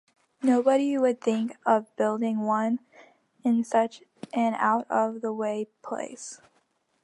Nobody would think of building one in such an out-of-the-way place.